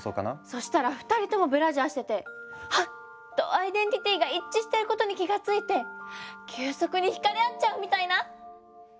そしたら２人ともブラジャーしてて「はっ！」とアイデンティティーが一致してることに気が付いて急速に惹かれ合っちゃうみたいな？